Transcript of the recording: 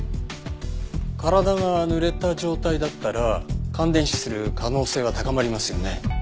体が濡れた状態だったら感電死する可能性は高まりますよね。